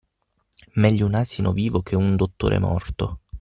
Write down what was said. Meglio un asino vivo che un dottore morto.